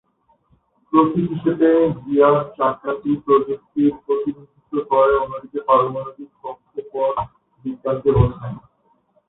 প্রতীক হিসাবে "গিয়ার চাকা"টি প্রযুক্তির প্রতিনিধিত্ব করে, অন্যদিকে পারমাণবিক কক্ষপথ বিজ্ঞানকে বোঝায়।